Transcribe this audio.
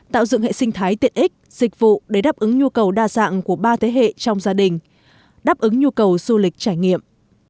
tạo dựng hệ sinh thái tiện ích dịch vụ để đáp ứng nhu cầu đa dạng của ba thế hệ trong gia đình đáp ứng nhu cầu du lịch trải nghiệm